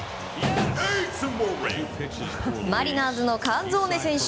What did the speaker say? マリナーズのカンゾーネ選手。